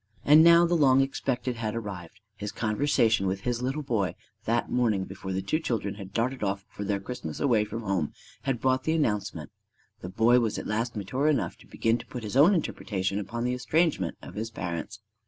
And now the long expected had arrived. His conversation with his little boy that morning before the two children had darted off for their Christmas away from home had brought the announcement: the boy was at last mature enough to begin to put his own interpretation upon the estrangement of his parents.